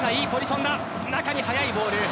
中に速いボール。